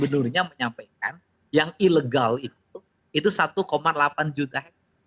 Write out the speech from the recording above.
gubernurnya menyampaikan yang ilegal itu itu satu delapan juta hektare